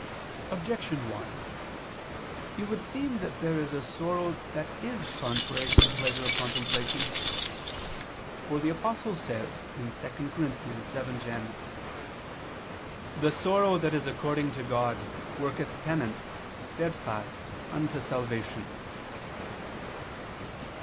Objection 1: It would seem that there is a sorrow that is contrary to the pleasure of contemplation. For the Apostle says (2 Cor. 7:10): "The sorrow that is according to God, worketh penance steadfast unto salvation."